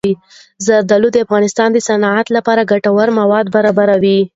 زردالو د افغانستان د صنعت لپاره ګټور مواد برابروي.